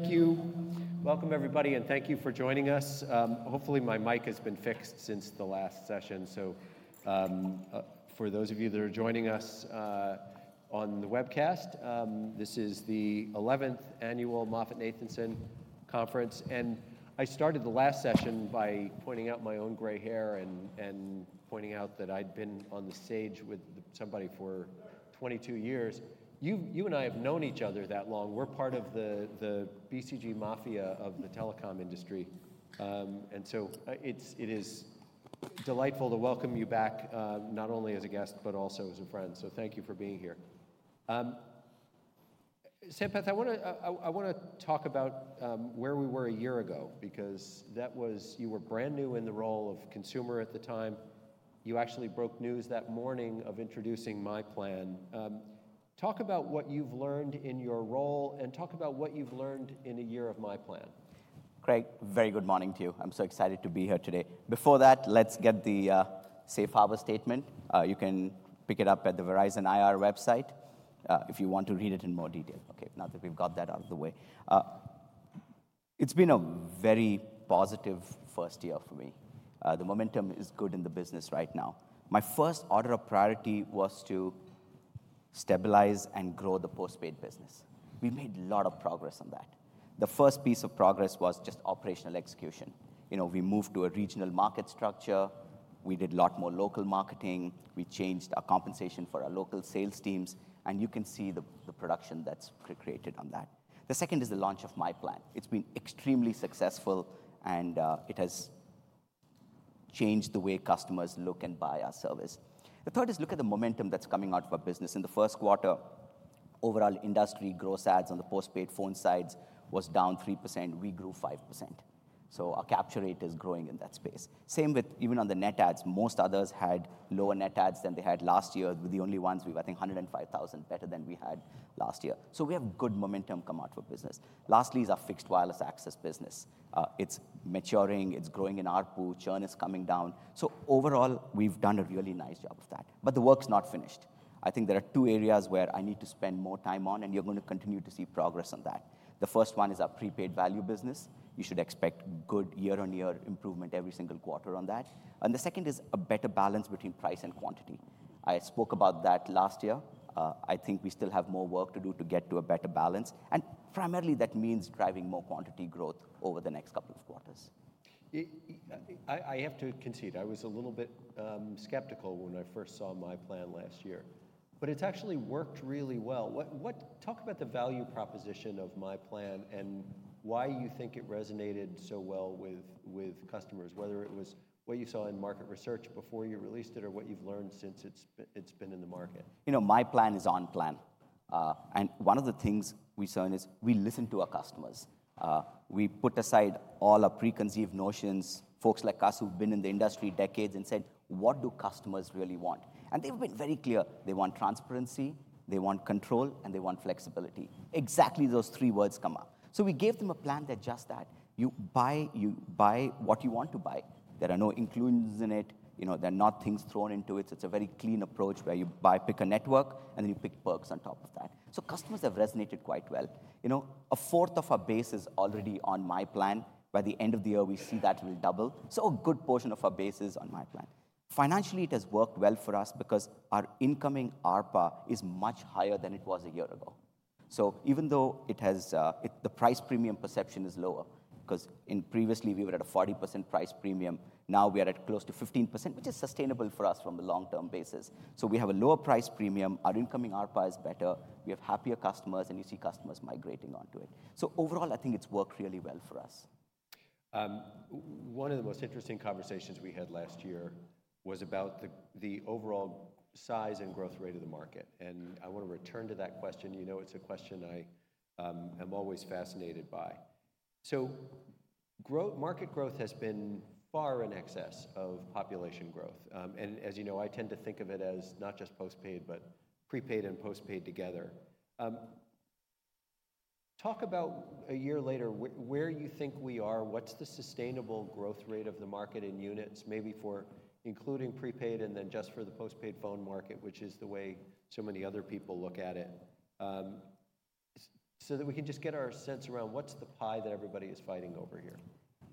Thank you. Welcome, everybody, and thank you for joining us. Hopefully, my mic has been fixed since the last session. For those of you that are joining us on the webcast, this is the 11th annual MoffettNathanson Conference. I started the last session by pointing out my own gray hair and pointing out that I'd been on the stage with somebody for 22 years. You and I have known each other that long. We're part of the BCG mafia of the telecom industry. It is delightful to welcome you back not only as a guest but also as a friend. Thank you for being here. Sampath, I want to talk about where we were a year ago because you were brand new in the role of consumer at the time. You actually broke news that morning of introducing myPlan. Talk about what you've learned in your role and talk about what you've learned in a year of myPlan. Craig, very good morning to you. I'm so excited to be here today. Before that, let's get the Safe Harbor statement. You can pick it up at the Verizon IR website if you want to read it in more detail. OK, now that we've got that out of the way, it's been a very positive first year for me. The momentum is good in the business right now. My first order of priority was to stabilize and grow the postpaid business. We made a lot of progress on that. The first piece of progress was just operational execution. We moved to a regional market structure. We did a lot more local marketing. We changed our compensation for our local sales teams. And you can see the production that's created on that. The second is the launch of myPlan. It's been extremely successful, and it has changed the way customers look and buy our service. The third is look at the momentum that's coming out of our business. In the first quarter, overall industry Gross Adds on the postpaid phone sides was down 3%. We grew 5%. So our capture rate is growing in that space. Same with even on the Net Adds. Most others had lower Net Adds than they had last year. We're the only ones we were, I think, 105,000 better than we had last year. So we have good momentum come out of our business. Lastly is our fixed wireless access business. It's maturing. It's growing in ARPU. Churn is coming down. So overall, we've done a really nice job of that. But the work's not finished. I think there are two areas where I need to spend more time on, and you're going to continue to see progress on that. The first one is our prepaid value business. You should expect good year-on-year improvement every single quarter on that. The second is a better balance between price and quantity. I spoke about that last year. I think we still have more work to do to get to a better balance. Primarily, that means driving more quantity growth over the next couple of quarters. I have to concede. I was a little bit skeptical when I first saw myPlan last year. But it's actually worked really well. Talk about the value proposition of myPlan and why you think it resonated so well with customers, whether it was what you saw in market research before you released it or what you've learned since it's been in the market? You know, MyPlan is on plan. And one of the things we saw in it is we listen to our customers. We put aside all our preconceived notions, folks like us who've been in the industry decades, and said, what do customers really want? And they've been very clear. They want transparency. They want control. And they want flexibility. Exactly those three words come up. So we gave them a plan that's just that. You buy what you want to buy. There are no inclusions in it. There are not things thrown into it. It's a very clean approach where you pick a network, and then you pick perks on top of that. So customers have resonated quite well. A fourth of our base is already on MyPlan. By the end of the year, we see that will double. So a good portion of our base is on MyPlan. Financially, it has worked well for us because our incoming ARPA is much higher than it was a year ago. So even though the price premium perception is lower because previously, we were at a 40% price premium, now we are at close to 15%, which is sustainable for us from a long-term basis. So we have a lower price premium. Our incoming ARPA is better. We have happier customers, and you see customers migrating onto it. So overall, I think it's worked really well for us. One of the most interesting conversations we had last year was about the overall size and growth rate of the market. I want to return to that question. You know, it's a question I am always fascinated by. Market growth has been far in excess of population growth. As you know, I tend to think of it as not just postpaid but prepaid and postpaid together. Talk about a year later, where you think we are. What's the sustainable growth rate of the market in units, maybe for including prepaid and then just for the postpaid phone market, which is the way so many other people look at it, so that we can just get our sense around what's the pie that everybody is fighting over here?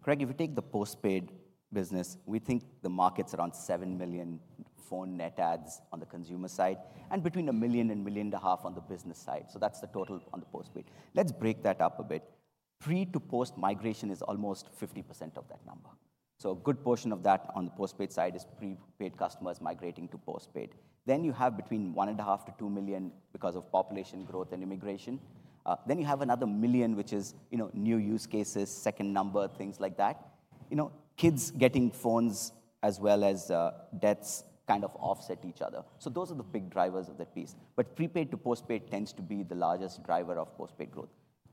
Craig, if you take the postpaid business, we think the market's around 7 million phone net adds on the consumer side and between 1 million and 1.5 million on the business side. So that's the total on the postpaid. Let's break that up a bit. Pre to post migration is almost 50% of that number. So a good portion of that on the postpaid side is prepaid customers migrating to postpaid. Then you have between 1.5-2 million because of population growth and immigration. Then you have another 1 million, which is new use cases, second number, things like that, kids getting phones as well as deaths kind of offset each other. So those are the big drivers of that piece. But prepaid to postpaid tends to be the largest driver of postpaid growth.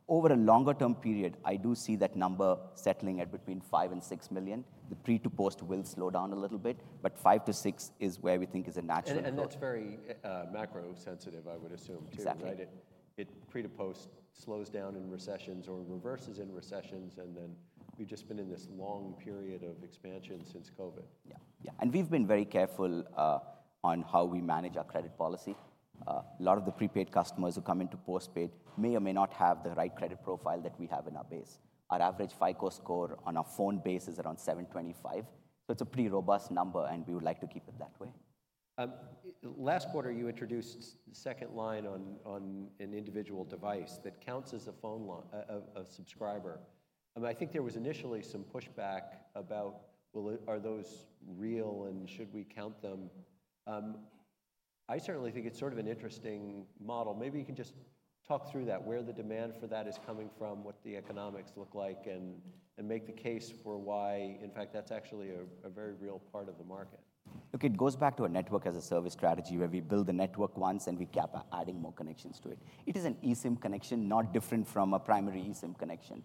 Over a longer-term period, I do see that number settling at between 5-6 million. The pre to post will slow down a little bit. But 5-6 is where we think is a natural growth. That's very macro-sensitive, I would assume, too, right? Exactly. Pre to post slows down in recessions or reverses in recessions. And then we've just been in this long period of expansion since COVID. Yeah, yeah. We've been very careful on how we manage our credit policy. A lot of the prepaid customers who come into postpaid may or may not have the right credit profile that we have in our base. Our average FICO score on our phone base is around 725. It's a pretty robust number, and we would like to keep it that way. Last quarter, you introduced the second line on an individual device that counts as a subscriber. I think there was initially some pushback about, well, are those real, and should we count them? I certainly think it's sort of an interesting model. Maybe you can just talk through that, where the demand for that is coming from, what the economics look like, and make the case for why, in fact, that's actually a very real part of the market. Look, it goes back to a network as a service strategy where we build the network once, and we keep adding more connections to it. It is an eSIM connection, not different from a primary eSIM connection.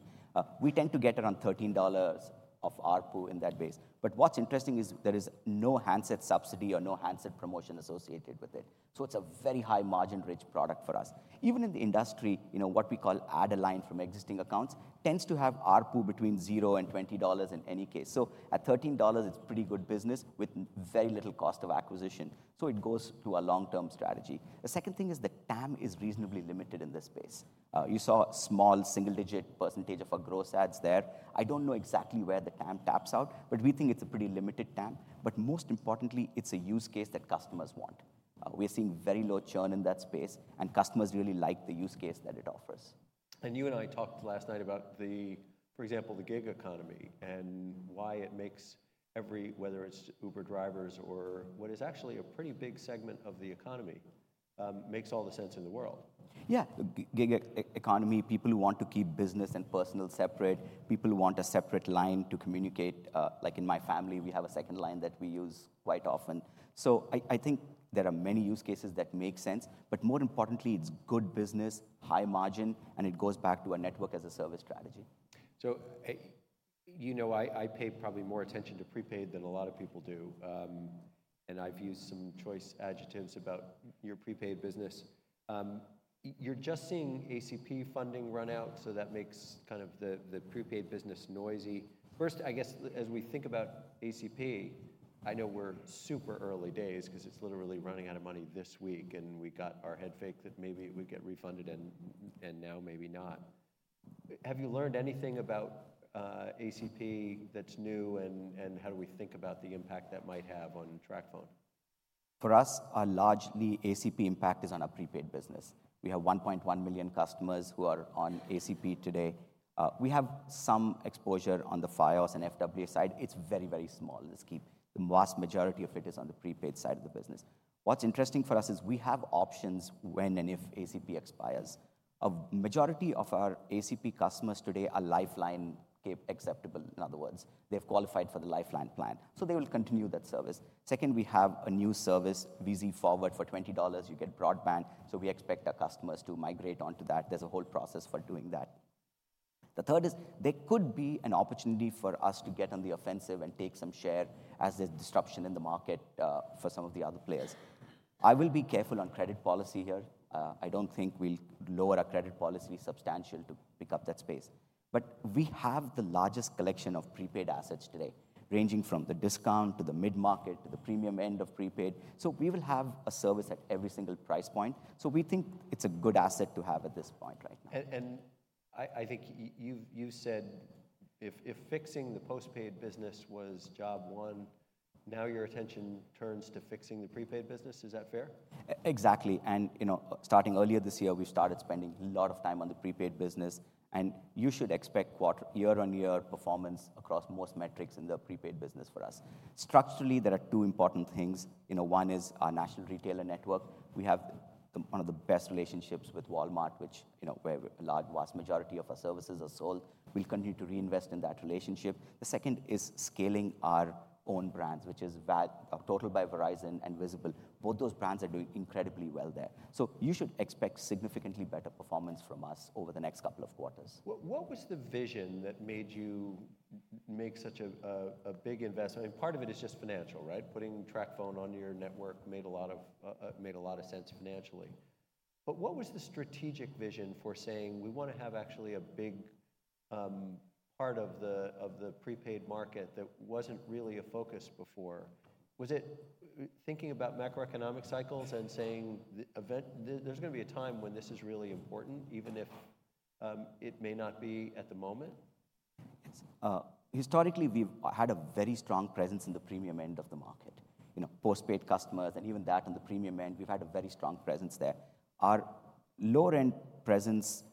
We tend to get around $13 of ARPU in that base. But what's interesting is there is no handset subsidy or no handset promotion associated with it. So it's a very high margin-rich product for us. Even in the industry, what we call add-a-line from existing accounts tends to have ARPU between $0-$20 in any case. So at $13, it's pretty good business with very little cost of acquisition. So it goes to a long-term strategy. The second thing is the TAM is reasonably limited in this space. You saw a small single-digit percentage of our gross adds there. I don't know exactly where the TAM taps out, but we think it's a pretty limited TAM. But most importantly, it's a use case that customers want. We are seeing very low churn in that space, and customers really like the use case that it offers. You and I talked last night about, for example, the gig economy and why it makes every, whether it's Uber drivers or what is actually a pretty big segment of the economy, makes all the sense in the world. Yeah, the gig economy, people who want to keep business and personal separate, people who want a separate line to communicate. Like in my family, we have a second line that we use quite often. So I think there are many use cases that make sense. But more importantly, it's good business, high margin, and it goes back to a network as a service strategy. So you know I pay probably more attention to prepaid than a lot of people do. I've used some choice adjectives about your prepaid business. You're just seeing ACP funding run out, so that makes kind of the prepaid business noisy. First, I guess, as we think about ACP, I know we're super early days because it's literally running out of money this week. We got our headfake that maybe it would get refunded, and now maybe not. Have you learned anything about ACP that's new, and how do we think about the impact that might have on TracFone? For us, largely, ACP impact is on our prepaid business. We have 1.1 million customers who are on ACP today. We have some exposure on the Fios and FWA side. It's very, very small. The vast majority of it is on the prepaid side of the business. What's interesting for us is we have options when and if ACP expires. A majority of our ACP customers today are Lifeline-eligible, in other words. They've qualified for the Lifeline plan. So they will continue that service. Second, we have a new service, Verizon Forward, for $20. You get broadband. So we expect our customers to migrate onto that. There's a whole process for doing that. The third is there could be an opportunity for us to get on the offensive and take some share as there's disruption in the market for some of the other players. I will be careful on credit policy here. I don't think we'll lower our credit policy substantially to pick up that space. But we have the largest collection of prepaid assets today, ranging from the discount to the mid-market to the premium end of prepaid. So we will have a service at every single price point. So we think it's a good asset to have at this point right now. I think you've said if fixing the postpaid business was job one, now your attention turns to fixing the prepaid business. Is that fair? Exactly. And starting earlier this year, we've started spending a lot of time on the prepaid business. And you should expect year-on-year performance across most metrics in the prepaid business for us. Structurally, there are two important things. One is our national retailer network. We have one of the best relationships with Walmart, where a vast majority of our services are sold. We'll continue to reinvest in that relationship. The second is scaling our own brands, which is Total by Verizon and Visible. Both those brands are doing incredibly well there. So you should expect significantly better performance from us over the next couple of quarters. What was the vision that made you make such a big investment? I mean, part of it is just financial, right? Putting TracFone on your network made a lot of sense financially. But what was the strategic vision for saying, we want to have actually a big part of the prepaid market that wasn't really a focus before? Was it thinking about macroeconomic cycles and saying, there's going to be a time when this is really important, even if it may not be at the moment? Historically, we've had a very strong presence in the premium end of the market, postpaid customers, and even that on the premium end. We've had a very strong presence there. Our lower-end presence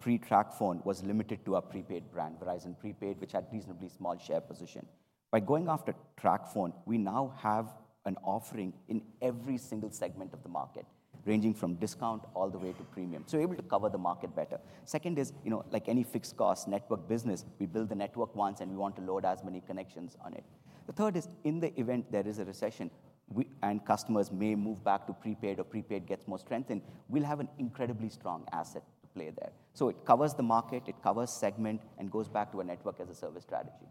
pre-TracFone was limited to our prepaid brand, Verizon Prepaid, which had a reasonably small share position. By going after TracFone, we now have an offering in every single segment of the market, ranging from discount all the way to premium, so able to cover the market better. Second is, like any fixed cost network business, we build the network once, and we want to load as many connections on it. The third is, in the event there is a recession and customers may move back to prepaid or prepaid gets more strengthened, we'll have an incredibly strong asset to play there. So it covers the market. It covers segment and goes back to a network as a service strategy.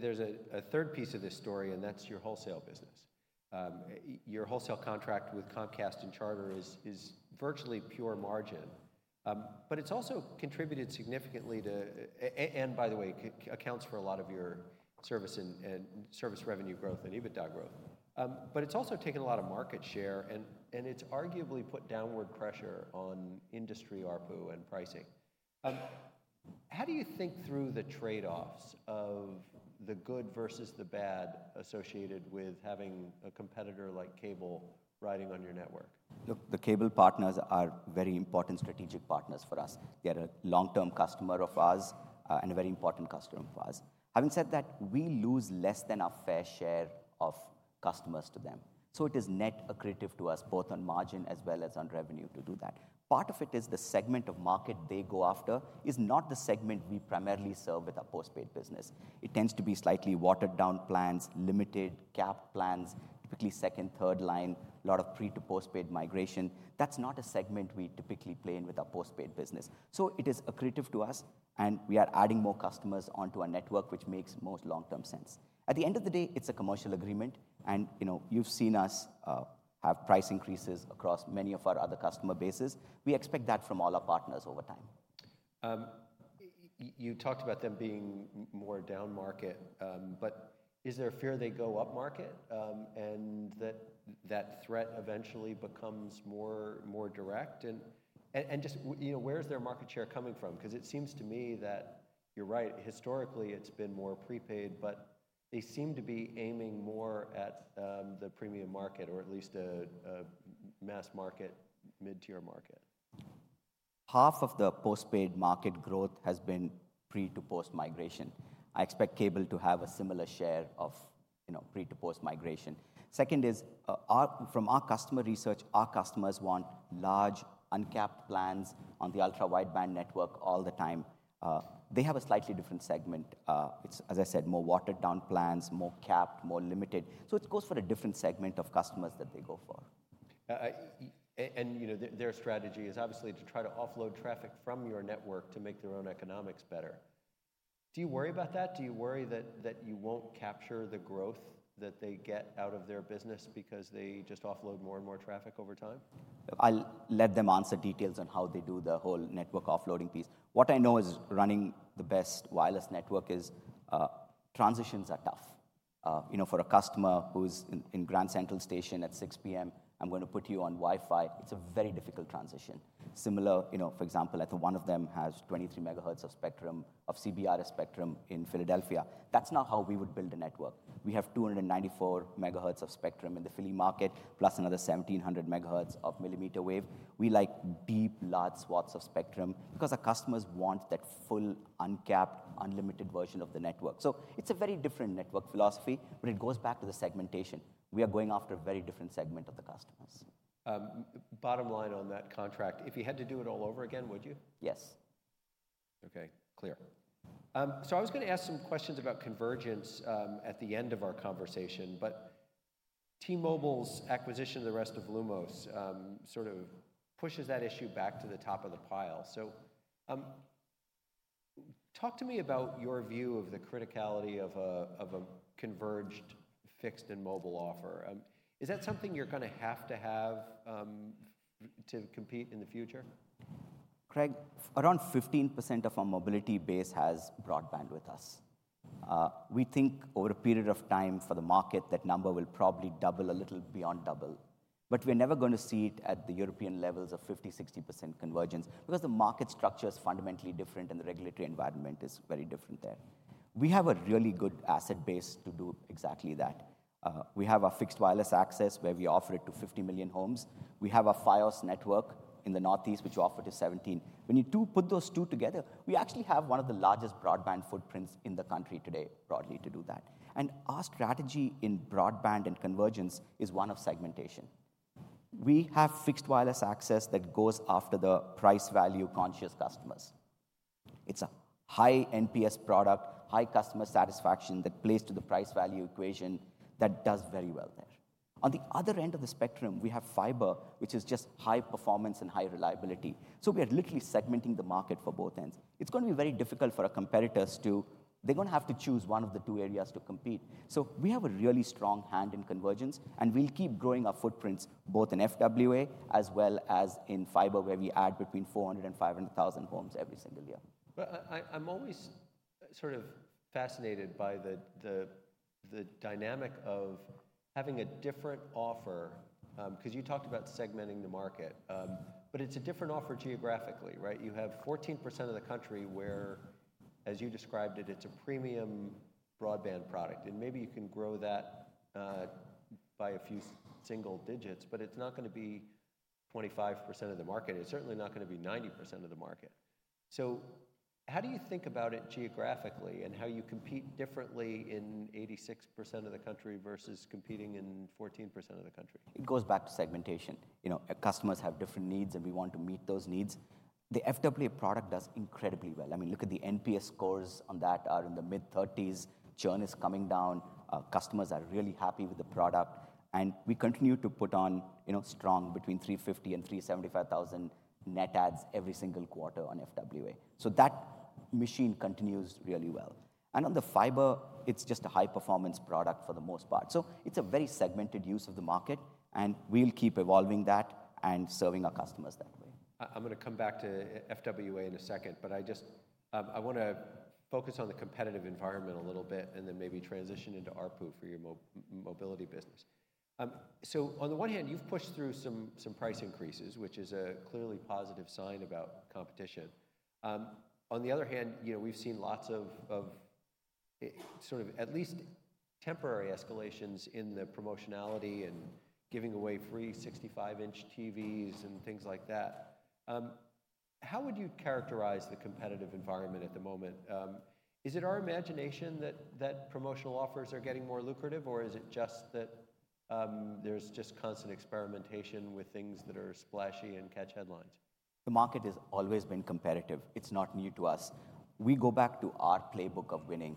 There's a third piece of this story, and that's your wholesale business. Your wholesale contract with Comcast and Charter is virtually pure margin. But it's also contributed significantly to, and by the way, accounts for a lot of your service revenue growth and EBITDA growth. But it's also taken a lot of market share, and it's arguably put downward pressure on industry ARPU and pricing. How do you think through the trade-offs of the good versus the bad associated with having a competitor like Cable riding on your network? Look, the Cable partners are very important strategic partners for us. They are a long-term customer of ours and a very important customer for us. Having said that, we lose less than our fair share of customers to them. So it is net accretive to us, both on margin as well as on revenue, to do that. Part of it is the segment of market they go after is not the segment we primarily serve with our postpaid business. It tends to be slightly watered-down plans, limited-cap plans, typically second, third line, a lot of pre to postpaid migration. That's not a segment we typically play in with our postpaid business. So it is accretive to us, and we are adding more customers onto our network, which makes most long-term sense. At the end of the day, it's a commercial agreement. You've seen us have price increases across many of our other customer bases. We expect that from all our partners over time. You talked about them being more down market. But is there a fear they go up market and that that threat eventually becomes more direct? And just where is their market share coming from? Because it seems to me that you're right. Historically, it's been more prepaid. But they seem to be aiming more at the premium market or at least a mass market, mid-tier market. Half of the postpaid market growth has been pre to post migration. I expect Cable to have a similar share of pre to post migration. Second is, from our customer research, our customers want large, uncapped plans on the ultra-wideband network all the time. They have a slightly different segment. It's, as I said, more watered-down plans, more capped, more limited. So it goes for a different segment of customers that they go for. Their strategy is obviously to try to offload traffic from your network to make their own economics better. Do you worry about that? Do you worry that you won't capture the growth that they get out of their business because they just offload more and more traffic over time? I'll let them answer details on how they do the whole network offloading piece. What I know is, running the best wireless network, transitions are tough. For a customer who's in Grand Central Station at 6:00 P.M., I'm going to put you on Wi-Fi. It's a very difficult transition. Similarly, for example, I think one of them has 23 megahertz of spectrum, of CBRS spectrum in Philadelphia. That's not how we would build a network. We have 294 megahertz of spectrum in the Philly market plus another 1,700 megahertz of millimeter wave. We like deep, large swaths of spectrum because our customers want that full, uncapped, unlimited version of the network. So it's a very different network philosophy. But it goes back to the segmentation. We are going after a very different segment of the customers. Bottom line on that contract, if you had to do it all over again, would you? Yes. OK, clear. So I was going to ask some questions about convergence at the end of our conversation. But T-Mobile's acquisition of the rest of Lumos sort of pushes that issue back to the top of the pile. So talk to me about your view of the criticality of a converged, fixed, and mobile offer. Is that something you're going to have to have to compete in the future? Craig, around 15% of our mobility base has broadband with us. We think, over a period of time, for the market, that number will probably double a little beyond double. But we're never going to see it at the European levels of 50%, 60% convergence because the market structure is fundamentally different, and the regulatory environment is very different there. We have a really good asset base to do exactly that. We have our fixed wireless access, where we offer it to 50 million homes. We have our Fios network in the Northeast, which we offer to 17. When you put those two together, we actually have one of the largest broadband footprints in the country today, broadly, to do that. And our strategy in broadband and convergence is one of segmentation. We have fixed wireless access that goes after the price-value conscious customers. It's a high NPS product, high customer satisfaction that plays to the price-value equation that does very well there. On the other end of the spectrum, we have fiber, which is just high performance and high reliability. So we are literally segmenting the market for both ends. It's going to be very difficult for our competitors to. They're going to have to choose one of the two areas to compete. So we have a really strong hand in convergence. And we'll keep growing our footprints both in FWA as well as in fiber, where we add between 400,000 and 500,000 homes every single year. But I'm always sort of fascinated by the dynamic of having a different offer because you talked about segmenting the market. But it's a different offer geographically, right? You have 14% of the country where, as you described it, it's a premium broadband product. And maybe you can grow that by a few single digits. But it's not going to be 25% of the market. It's certainly not going to be 90% of the market. So how do you think about it geographically and how you compete differently in 86% of the country versus competing in 14% of the country? It goes back to segmentation. Customers have different needs, and we want to meet those needs. The FWA product does incredibly well. I mean, look at the NPS scores on that are in the mid-30s. Churn is coming down. Customers are really happy with the product. And we continue to put on strong, between 350,000 and 375,000 net adds every single quarter on FWA. So that machine continues really well. And on the fiber, it's just a high-performance product for the most part. So it's a very segmented use of the market. And we'll keep evolving that and serving our customers that way. I'm going to come back to FWA in a second. But I just want to focus on the competitive environment a little bit and then maybe transition into ARPU for your mobility business. So on the one hand, you've pushed through some price increases, which is a clearly positive sign about competition. On the other hand, we've seen lots of sort of at least temporary escalations in the promotionality and giving away free 65-inch TVs and things like that. How would you characterize the competitive environment at the moment? Is it our imagination that promotional offers are getting more lucrative? Or is it just that there's just constant experimentation with things that are splashy and catch headlines? The market has always been competitive. It's not new to us. We go back to our playbook of winning.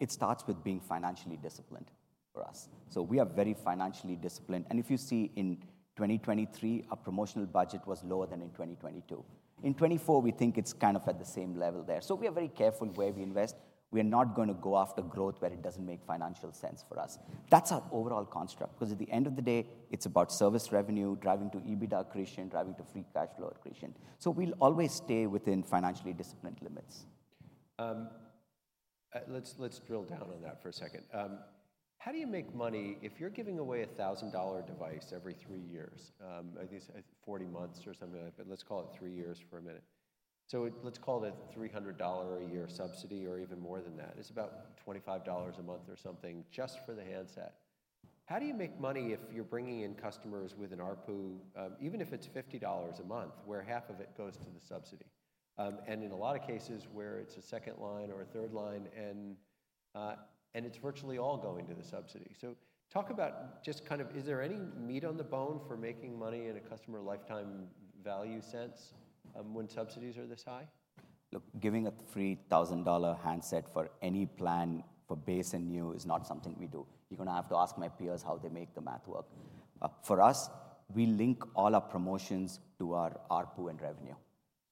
It starts with being financially disciplined for us. We are very financially disciplined. If you see, in 2023, our promotional budget was lower than in 2022. In 2024, we think it's kind of at the same level there. We are very careful where we invest. We are not going to go after growth where it doesn't make financial sense for us. That's our overall construct because, at the end of the day, it's about service revenue driving to EBITDA accretion, driving to free cash flow accretion. We'll always stay within financially disciplined limits. Let's drill down on that for a second. How do you make money if you're giving away a $1,000 device every three years, I guess 40 months or something like that? But let's call it three years for a minute. So let's call it a $300 a year subsidy or even more than that. It's about $25 a month or something just for the handset. How do you make money if you're bringing in customers with an ARPU, even if it's $50 a month, where half of it goes to the subsidy and in a lot of cases, where it's a second line or a third line, and it's virtually all going to the subsidy? So talk about just kind of is there any meat on the bone for making money in a customer lifetime value sense when subsidies are this high? Look, giving a free $1,000 handset for any plan for base and new is not something we do. You're going to have to ask my peers how they make the math work. For us, we link all our promotions to our ARPU and revenue.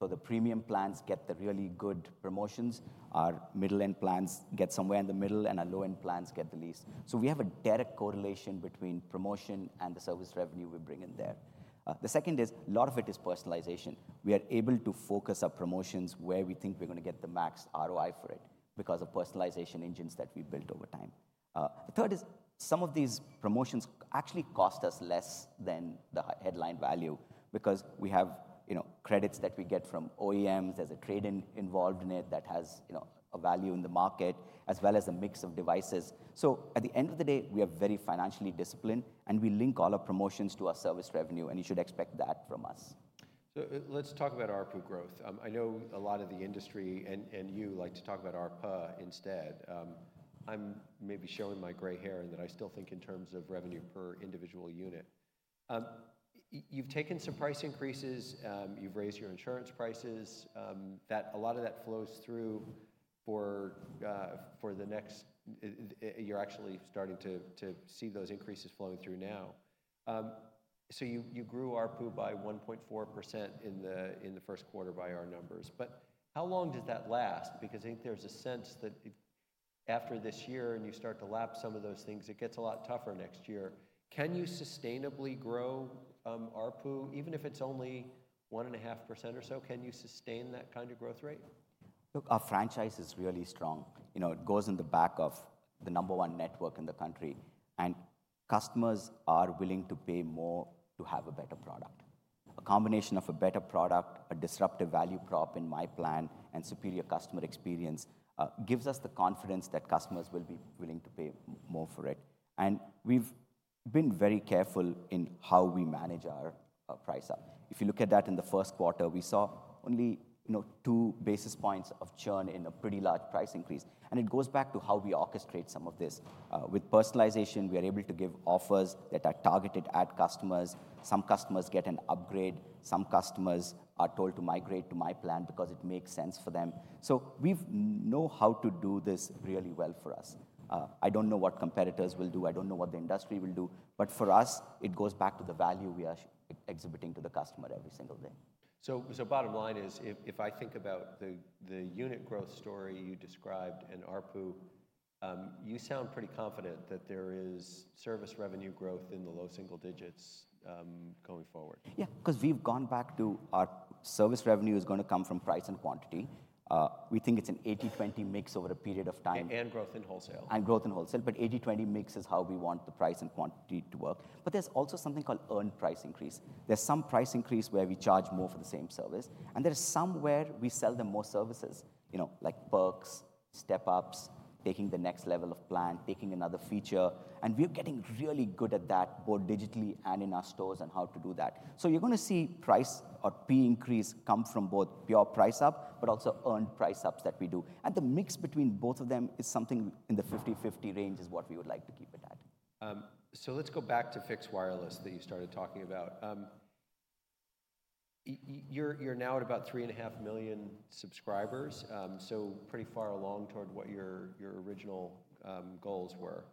So the premium plans get the really good promotions. Our middle-end plans get somewhere in the middle. And our low-end plans get the least. So we have a direct correlation between promotion and the service revenue we bring in there. The second is a lot of it is personalization. We are able to focus our promotions where we think we're going to get the max ROI for it because of personalization engines that we built over time. The third is some of these promotions actually cost us less than the headline value because we have credits that we get from OEMs. There's a trade-in involved in it that has a value in the market as well as a mix of devices. So at the end of the day, we are very financially disciplined. And we link all our promotions to our service revenue. And you should expect that from us. So let's talk about ARPU growth. I know a lot of the industry and you like to talk about ARPU instead. I'm maybe showing my gray hair in that I still think in terms of revenue per individual unit. You've taken some price increases. You've raised your insurance prices. A lot of that flows through for the next year, you're actually starting to see those increases flowing through now. So you grew ARPU by 1.4% in the first quarter by our numbers. But how long does that last? Because I think there's a sense that after this year and you start to lapse some of those things, it gets a lot tougher next year. Can you sustainably grow ARPU, even if it's only 1.5% or so? Can you sustain that kind of growth rate? Look, our franchise is really strong. It goes in the back of the number one network in the country. And customers are willing to pay more to have a better product. A combination of a better product, a disruptive value prop in my plan, and superior customer experience gives us the confidence that customers will be willing to pay more for it. And we've been very careful in how we manage our price up. If you look at that in the first quarter, we saw only two basis points of churn in a pretty large price increase. And it goes back to how we orchestrate some of this. With personalization, we are able to give offers that are targeted at customers. Some customers get an upgrade. Some customers are told to migrate to my plan because it makes sense for them. So we know how to do this really well for us. I don't know what competitors will do. I don't know what the industry will do. But for us, it goes back to the value we are exhibiting to the customer every single day. Bottom line is, if I think about the unit growth story you described and ARPU, you sound pretty confident that there is service revenue growth in the low single digits going forward. Yeah, because we've gone back to our service revenue is going to come from price and quantity. We think it's an 80/20 mix over a period of time. Growth in wholesale. And growth in wholesale. But 80/20 mix is how we want the price and quantity to work. But there's also something called earned price increase. There's some price increase where we charge more for the same service. And there is some where we sell them more services, like perks, step-ups, taking the next level of plan, taking another feature. And we are getting really good at that, both digitally and in our stores and how to do that. So you're going to see price or P increase come from both pure price up, but also earned price ups that we do. And the mix between both of them is something in the 50/50 range, which is what we would like to keep it at. Let's go back to fixed wireless that you started talking about. You're now at about 3.5 million subscribers, so pretty far along toward what your original goals were.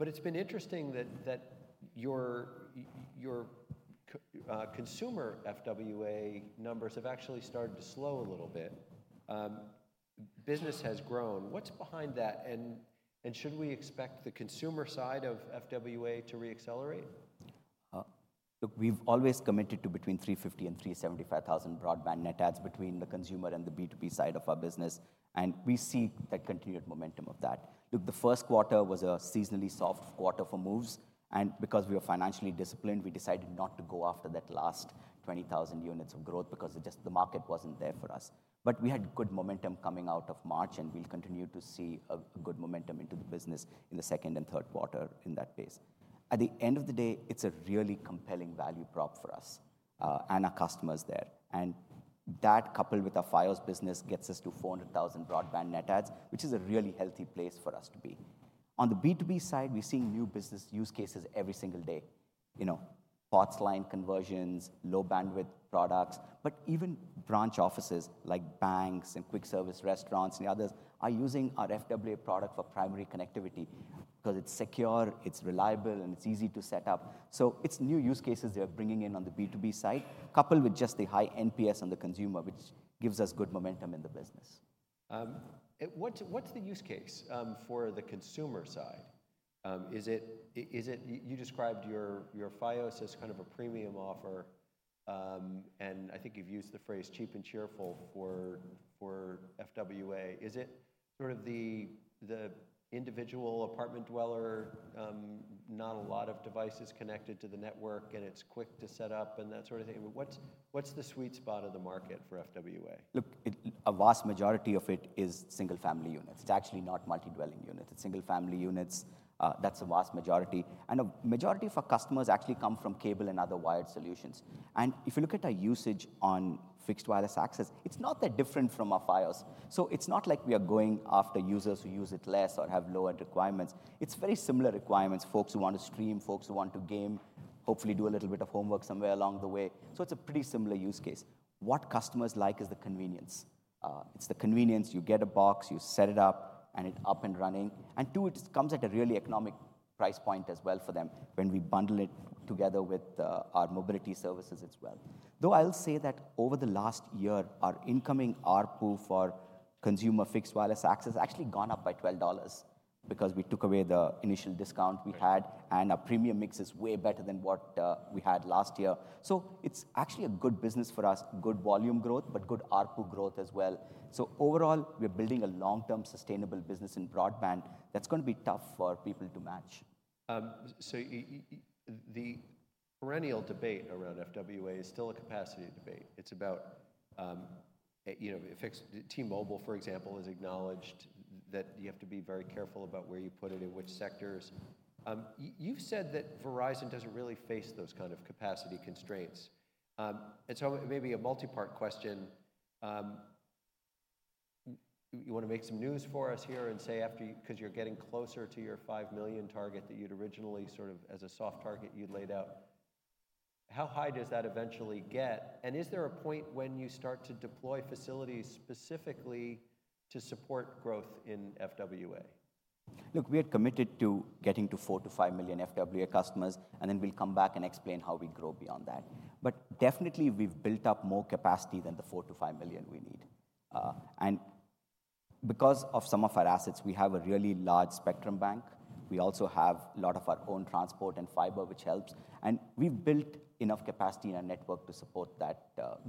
It's been interesting that your consumer FWA numbers have actually started to slow a little bit. Business has grown. What's behind that? Should we expect the consumer side of FWA to reaccelerate? Look, we've always committed to between 350,000 and 375,000 broadband net ads between the consumer and the B2B side of our business. We see that continued momentum of that. Look, the first quarter was a seasonally soft quarter for moves. Because we were financially disciplined, we decided not to go after that last 20,000 units of growth because the market wasn't there for us. But we had good momentum coming out of March. We'll continue to see a good momentum into the business in the second and third quarter in that pace. At the end of the day, it's a really compelling value prop for us and our customers there. That, coupled with our Fios business, gets us to 400,000 broadband net ads, which is a really healthy place for us to be. On the B2B side, we're seeing new business use cases every single day: POTS line conversions, low bandwidth products. But even branch offices, like banks and quick service restaurants and the others, are using our FWA product for primary connectivity because it's secure. It's reliable. And it's easy to set up. So it's new use cases they're bringing in on the B2B side, coupled with just the high NPS on the consumer, which gives us good momentum in the business. What's the use case for the consumer side? You described your Fios as kind of a premium offer. And I think you've used the phrase cheap and cheerful for FWA. Is it sort of the individual apartment dweller, not a lot of devices connected to the network, and it's quick to set up and that sort of thing? What's the sweet spot of the market for FWA? Look, a vast majority of it is single-family units. It's actually not multi-dwelling units. It's single-family units. That's a vast majority. And a majority of our customers actually come from cable and other wired solutions. And if you look at our usage on fixed wireless access, it's not that different from our Fios. So it's not like we are going after users who use it less or have lower requirements. It's very similar requirements: folks who want to stream, folks who want to game, hopefully do a little bit of homework somewhere along the way. So it's a pretty similar use case. What customers like is the convenience. It's the convenience. You get a box. You set it up. And it's up and running. And two, it comes at a really economic price point as well for them when we bundle it together with our mobility services as well. Though I'll say that over the last year, our incoming ARPU for consumer fixed wireless access has actually gone up by $12 because we took away the initial discount we had. Our premium mix is way better than what we had last year. It's actually a good business for us, good volume growth, but good ARPU growth as well. Overall, we're building a long-term, sustainable business in broadband that's going to be tough for people to match. So the perennial debate around FWA is still a capacity debate. It's about T-Mobile, for example, has acknowledged that you have to be very careful about where you put it, in which sectors. You've said that Verizon doesn't really face those kind of capacity constraints. And so maybe a multi-part question. You want to make some news for us here and say, because you're getting closer to your 5 million target that you'd originally sort of as a soft target you'd laid out, how high does that eventually get? And is there a point when you start to deploy facilities specifically to support growth in FWA? Look, we are committed to getting to 4-5 million FWA customers. Then we'll come back and explain how we grow beyond that. But definitely, we've built up more capacity than the 4-5 million we need. And because of some of our assets, we have a really large spectrum bank. We also have a lot of our own transport and fiber, which helps. And we've built enough capacity in our network to support that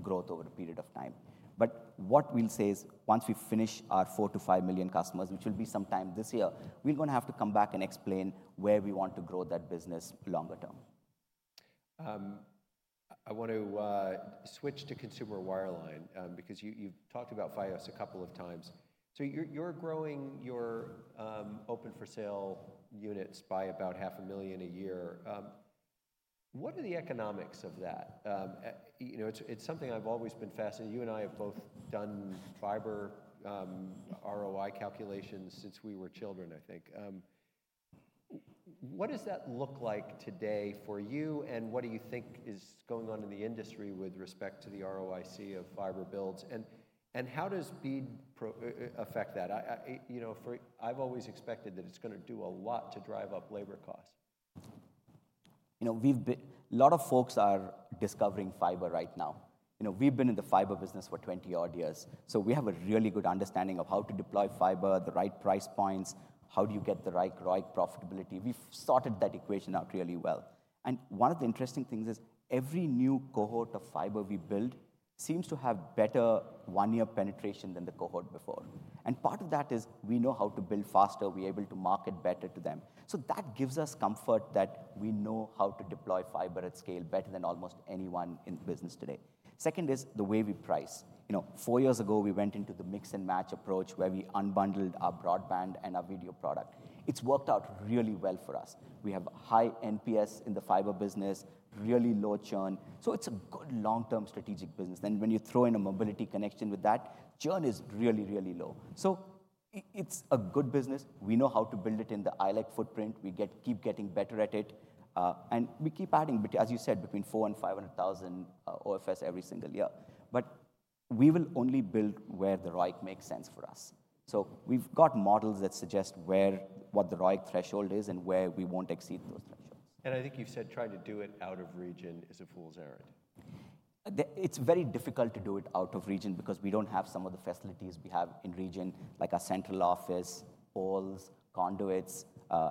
growth over a period of time. But what we'll say is, once we finish our 4-5 million customers, which will be sometime this year, we're going to have to come back and explain where we want to grow that business longer term. I want to switch to consumer wireline because you've talked about Fios a couple of times. So you're growing your open-for-sale units by about 500,000 a year. What are the economics of that? It's something I've always been fascinated. You and I have both done fiber ROI calculations since we were children, I think. What does that look like today for you? And what do you think is going on in the industry with respect to the ROIC of fiber builds? And how does BEAD affect that? I've always expected that it's going to do a lot to drive up labor costs. A lot of folks are discovering fiber right now. We've been in the fiber business for 20-odd years. So we have a really good understanding of how to deploy fiber, the right price points, how do you get the right ROIC profitability. We've sorted that equation out really well. And one of the interesting things is, every new cohort of fiber we build seems to have better one-year penetration than the cohort before. And part of that is, we know how to build faster. We're able to market better to them. So that gives us comfort that we know how to deploy fiber at scale better than almost anyone in business today. Second is the way we price. Four years ago, we went into the Mix & Match approach, where we unbundled our broadband and our video product. It's worked out really well for us. We have high NPS in the fiber business, really low churn. So it's a good long-term strategic business. And when you throw in a mobility connection with that, churn is really, really low. So it's a good business. We know how to build it in the ILEC footprint. We keep getting better at it. And we keep adding, as you said, between 400,000 and 500,000 OFS every single year. But we will only build where the ROIC makes sense for us. So we've got models that suggest what the ROIC threshold is and where we won't exceed those thresholds. I think you've said trying to do it out of region is a fool's errand. It's very difficult to do it out of region because we don't have some of the facilities we have in region, like our central office, halls, conduits,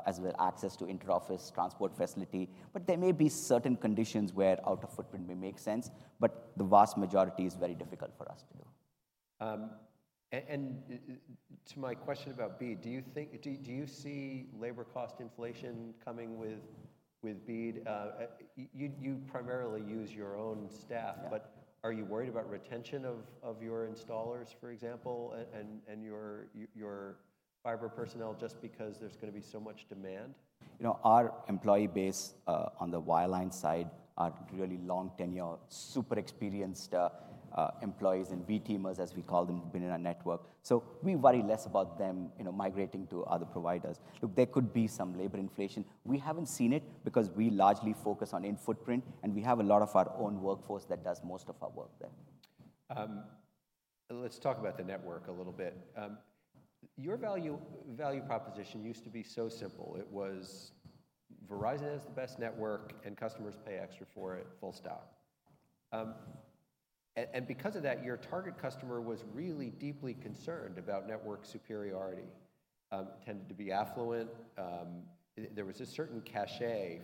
as well as access to inter-office transport facility. But there may be certain conditions where out of footprint may make sense. But the vast majority is very difficult for us to do. To my question about BEAD, do you see labor cost inflation coming with BEAD? You primarily use your own staff. Are you worried about retention of your installers, for example, and your fiber personnel just because there's going to be so much demand? Our employee base on the wireline side are really long-tenure, super experienced employees and V Teamers, as we call them, within our network. So we worry less about them migrating to other providers. Look, there could be some labor inflation. We haven't seen it because we largely focus on in footprint. We have a lot of our own workforce that does most of our work there. Let's talk about the network a little bit. Your value proposition used to be so simple. It was Verizon has the best network, and customers pay extra for it, full stop. Because of that, your target customer was really deeply concerned about network superiority. It tended to be affluent. There was a certain cachet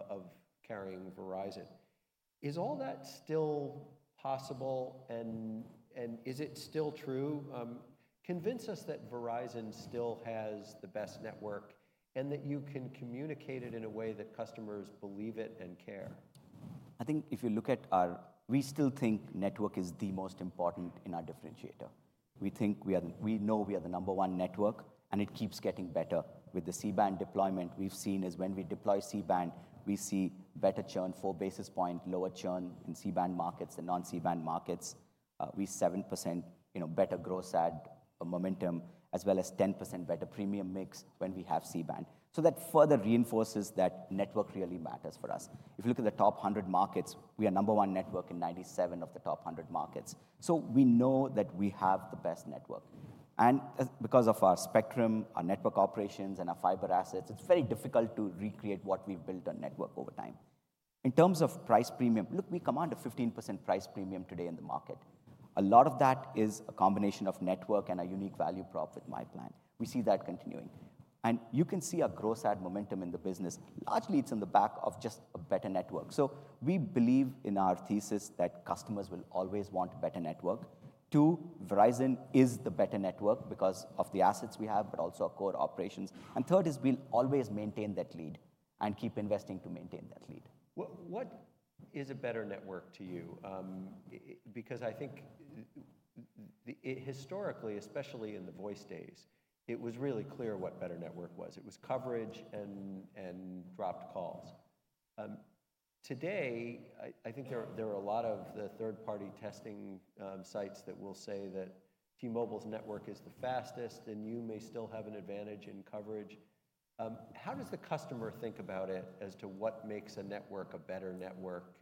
of carrying Verizon. Is all that still possible? And is it still true? Convince us that Verizon still has the best network and that you can communicate it in a way that customers believe it and care. I think if you look at our, we still think network is the most important in our differentiator. We know we are the number one network. It keeps getting better. With the C-Band deployment, we've seen is when we deploy C-Band, we see better churn, four basis points, lower churn in C-Band markets and non-C-Band markets. We see 7% better growth at momentum, as well as 10% better premium mix when we have C-Band. So that further reinforces that network really matters for us. If you look at the top 100 markets, we are number one network in 97 of the top 100 markets. So we know that we have the best network. And because of our spectrum, our network operations, and our fiber assets, it's very difficult to recreate what we've built on network over time. In terms of price premium, look, we command a 15% price premium today in the market. A lot of that is a combination of network and our unique value prop with my plan. We see that continuing. You can see our growth at momentum in the business. Largely, it's in the back of just a better network. So we believe in our thesis that customers will always want a better network. Two, Verizon is the better network because of the assets we have but also our core operations. And third is, we'll always maintain that lead and keep investing to maintain that lead. What is a better network to you? Because I think historically, especially in the voice days, it was really clear what better network was. It was coverage and dropped calls. Today, I think there are a lot of the third-party testing sites that will say that T-Mobile's network is the fastest. And you may still have an advantage in coverage. How does the customer think about it as to what makes a network a better network?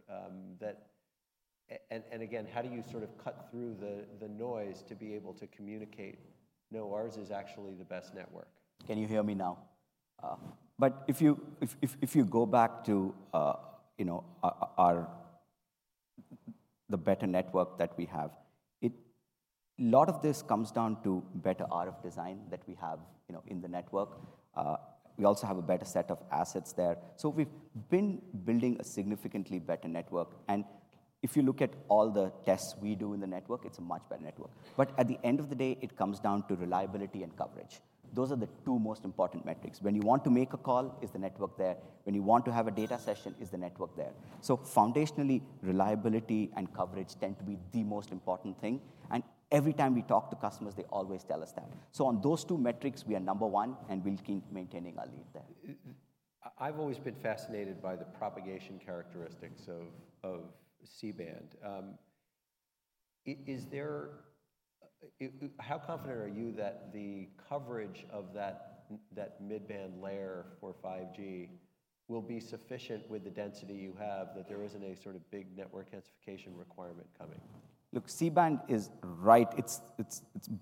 And again, how do you sort of cut through the noise to be able to communicate, no, ours is actually the best network? Can you hear me now? But if you go back to the better network that we have, a lot of this comes down to better RF design that we have in the network. We also have a better set of assets there. So we've been building a significantly better network. And if you look at all the tests we do in the network, it's a much better network. But at the end of the day, it comes down to reliability and coverage. Those are the two most important metrics. When you want to make a call, is the network there? When you want to have a data session, is the network there? So foundationally, reliability and coverage tend to be the most important thing. And every time we talk to customers, they always tell us that. So on those two metrics, we are number one. We'll keep maintaining our lead there. I've always been fascinated by the propagation characteristics of C-Band. How confident are you that the coverage of that mid-band layer for 5G will be sufficient with the density you have, that there isn't a sort of big network classification requirement coming? Look, C-Band is right. It's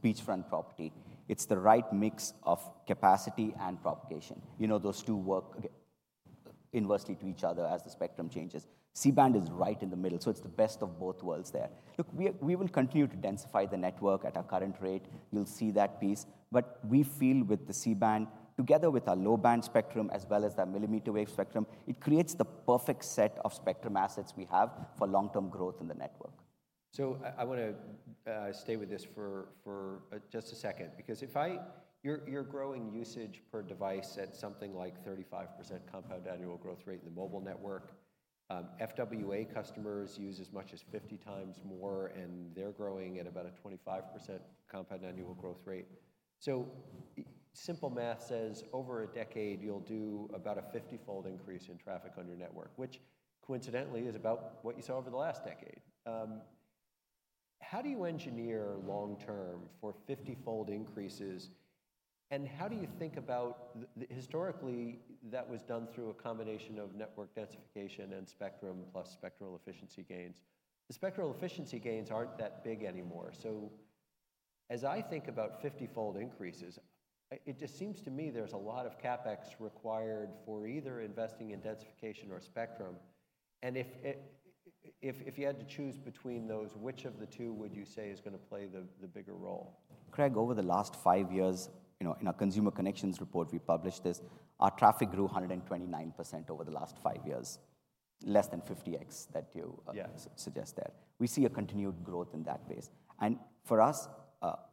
beachfront property. It's the right mix of capacity and propagation. Those two work inversely to each other as the spectrum changes. C-Band is right in the middle. So it's the best of both worlds there. Look, we will continue to densify the network at our current rate. You'll see that piece. But we feel with the C-Band, together with our low-band spectrum as well as that millimeter wave spectrum, it creates the perfect set of spectrum assets we have for long-term growth in the network. So I want to stay with this for just a second because you're growing usage per device at something like 35% compound annual growth rate in the mobile network. FWA customers use as much as 50 times more. And they're growing at about a 25% compound annual growth rate. So simple math says, over a decade, you'll do about a 50-fold increase in traffic on your network, which coincidentally is about what you saw over the last decade. How do you engineer long-term for 50-fold increases? And how do you think about historically, that was done through a combination of network densification and spectrum plus spectral efficiency gains. The spectral efficiency gains aren't that big anymore. So as I think about 50-fold increases, it just seems to me there's a lot of CapEx required for either investing in densification or spectrum. If you had to choose between those, which of the two would you say is going to play the bigger role? Craig, over the last 5 years, in our consumer connections report, we published this, our traffic grew 129% over the last 5 years, less than 50x that you suggest there. We see a continued growth in that base. And for us,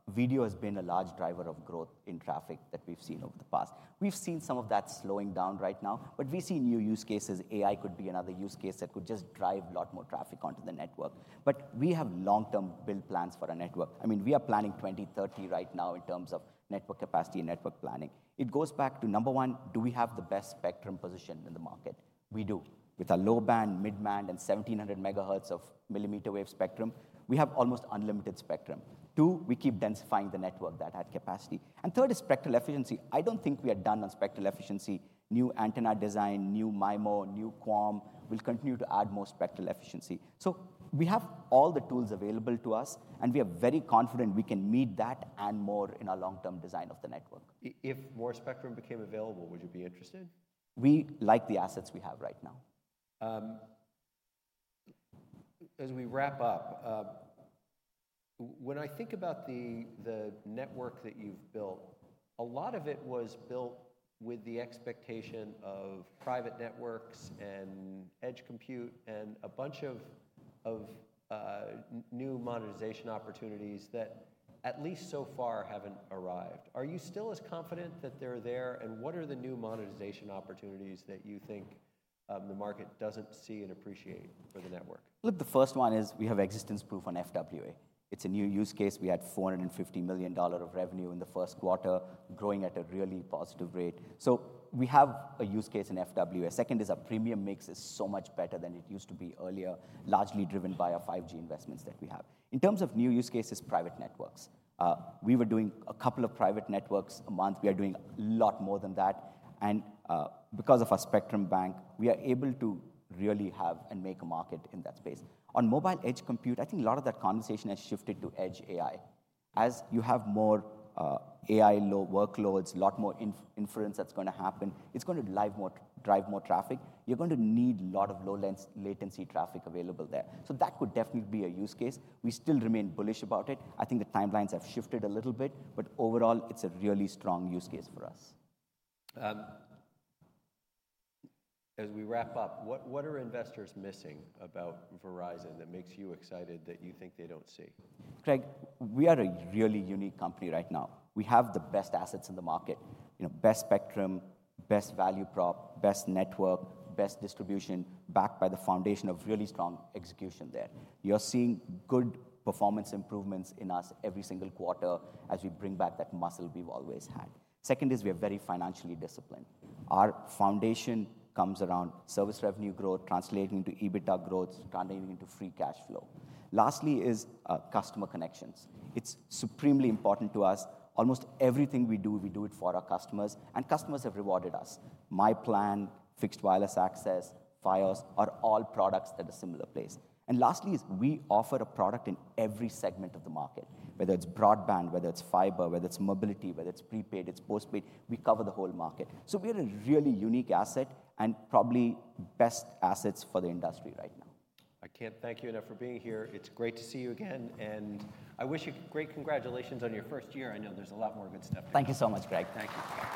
video has been a large driver of growth in traffic that we've seen over the past. We've seen some of that slowing down right now. But we see new use cases. AI could be another use case that could just drive a lot more traffic onto the network. But we have long-term build plans for our network. I mean, we are planning 2030 right now in terms of network capacity and network planning. It goes back to, number one, do we have the best spectrum position in the market? We do. With our low-band, mid-band, and 1,700 MHz of millimeter wave spectrum, we have almost unlimited spectrum. 2, we keep densifying the network that had capacity. Third is spectral efficiency. I don't think we are done on spectral efficiency. New antenna design, new MIMO, new QAM will continue to add more spectral efficiency. So we have all the tools available to us. And we are very confident we can meet that and more in our long-term design of the network. If more spectrum became available, would you be interested? We like the assets we have right now. As we wrap up, when I think about the network that you've built, a lot of it was built with the expectation of private networks and edge compute and a bunch of new monetization opportunities that at least so far haven't arrived. Are you still as confident that they're there? And what are the new monetization opportunities that you think the market doesn't see and appreciate for the network? Look, the first one is we have existence proof on FWA. It's a new use case. We had $450 million of revenue in the first quarter, growing at a really positive rate. So we have a use case in FWA. Second is our premium mix is so much better than it used to be earlier, largely driven by our 5G investments that we have. In terms of new use cases, private networks. We were doing a couple of private networks a month. We are doing a lot more than that. And because of our spectrum bank, we are able to really have and make a market in that space. On mobile edge compute, I think a lot of that conversation has shifted to edge AI. As you have more AI workloads, a lot more inference that's going to happen, it's going to drive more traffic. You're going to need a lot of low-latency traffic available there. So that could definitely be a use case. We still remain bullish about it. I think the timelines have shifted a little bit. But overall, it's a really strong use case for us. As we wrap up, what are investors missing about Verizon that makes you excited that you think they don't see? Craig, we are a really unique company right now. We have the best assets in the market, best spectrum, best value prop, best network, best distribution, backed by the foundation of really strong execution there. You're seeing good performance improvements in us every single quarter as we bring back that muscle we've always had. Second is we are very financially disciplined. Our foundation comes around service revenue growth, translating into EBITDA growth, translating into free cash flow. Lastly is customer connections. It's supremely important to us. Almost everything we do, we do it for our customers. And customers have rewarded us. myPlan, fixed wireless access, Fios are all products that are similar place. And lastly is we offer a product in every segment of the market, whether it's broadband, whether it's fiber, whether it's mobility, whether it's prepaid, it's postpaid. We cover the whole market. So we are a really unique asset and probably best assets for the industry right now. I can't thank you enough for being here. It's great to see you again. I wish you great congratulations on your first year. I know there's a lot more good stuff to come. Thank you so much, Craig. Thank you.